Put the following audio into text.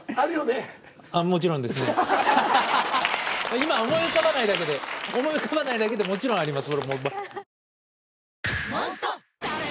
今思い浮かばないだけで思い浮かばないだけでもちろんあります。